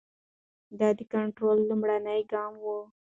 دا د کنټرول لومړنی ګام وي.